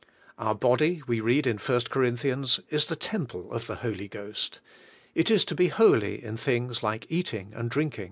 Our body, we read in ist Corinthians, is the temple of the Holy Ghost. It is to be holy in things like eating and drinking.